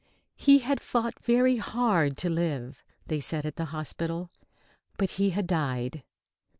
He had fought very hard to live, they said at the hospital. But he had died.